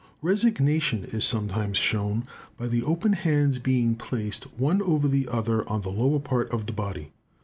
Resignation is sometimes shown by the open hands being placed, one over the other, on the lower part of the body.